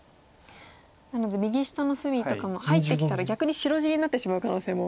なので右下の隅とかも入ってきたら逆に白地になってしまう可能性も。